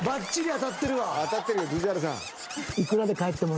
当たってるよ藤原さん。